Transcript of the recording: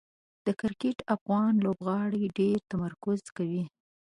د کرکټ افغان لوبغاړي ډېر تمرکز کوي.